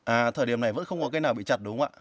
à thời điểm này vẫn không có cái nào bị chặt đúng không ạ